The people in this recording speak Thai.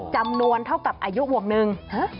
จำนวนเท่ากับอายุบวกหนึ่ง